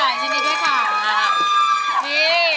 นี่